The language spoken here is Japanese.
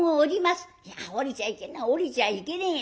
「いや降りちゃいけねえ降りちゃいけねえよ。